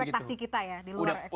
ekspektasi kita ya di luar ekspek